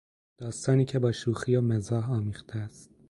داستانی که با شوخی و مزاح آمیخته است